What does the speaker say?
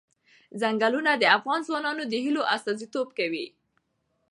ځنګلونه د افغان ځوانانو د هیلو استازیتوب کوي.